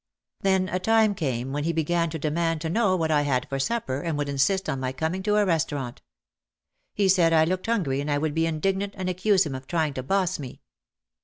Then a time came when he began to demand to know what I had for supper and would insist on my coming to a restaurant. He said I looked hungry and I would be indignant and accuse him of trying to "boss" me.